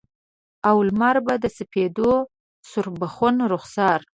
او لمر به د سپیدو سوربخن رخسار